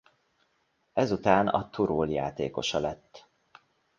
Ezután a Turul játékosa lett.